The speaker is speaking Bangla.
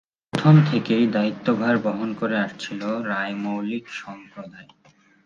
প্রথম থেকেই দায়িত্বভার বহন করে আসছিল রায় মৌলিক সম্প্রদায়।